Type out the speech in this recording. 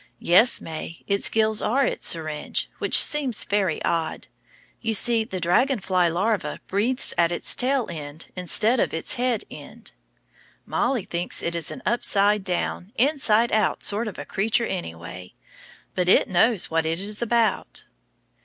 Yes, May, its gills are in its syringe, which seems very odd, you see the dragon fly larva breathes at its tail end instead of at its head end. Mollie thinks it is an upside down, inside out sort of a creature anyway. But it knows what it is about.